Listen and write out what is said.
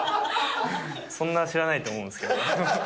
そんな知らないと思うんですけれども。